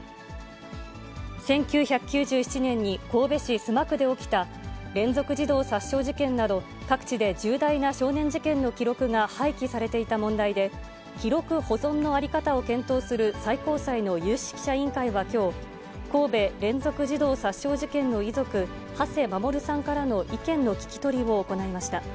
１９９７年に神戸市須磨区で起きた連続児童殺傷事件など、各地で重大な少年事件の記録が廃棄されていた問題で、記録保存の在り方を検討する最高裁の有識者委員会はきょう、神戸連続児童殺傷事件の遺族、土師守さんからの意見の聞き取りを行いました。